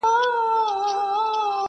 چي وژلي یې بېځایه انسانان وه.!